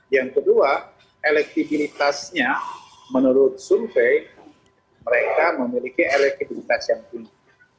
yang kedua elektibilitasnya menurut survei mereka memiliki elektibilitas yang tinggi